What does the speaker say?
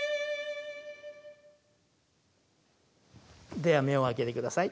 では目を開けて下さい。